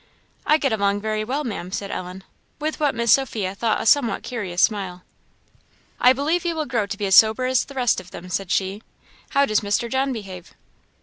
"I get along very well, Ma'am," said Ellen, with what Miss Sophia thought a somewhat curious smile. "I believe you will grow to be as sober as the rest of them," said she. "How does Mr. John behave?"